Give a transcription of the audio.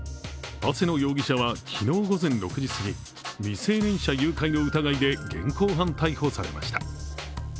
長谷野容疑者は昨日午前６時すぎ、未成年者誘拐の疑いで現行犯逮捕されました。